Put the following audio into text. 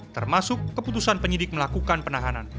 termasuk keputusan penyidik melakukan penahanan